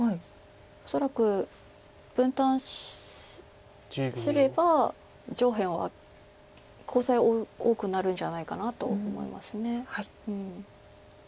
恐らく分断すれば上辺はコウ材多くなるんじゃないかなと思います。